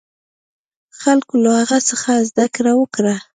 خلکو له هغه څخه زده کړه وکړه.